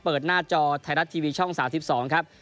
หน้าจอไทยรัฐทีวีช่อง๓๒ครับ